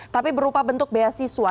tapi berupa bentuk beasiswa